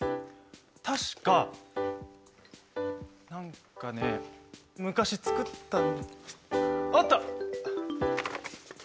確か何かね昔作ったあった！